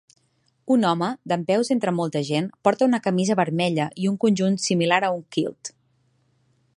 Un home, dempeus entre molta gent, porta una camisa vermella i un conjunt similar a un kilt.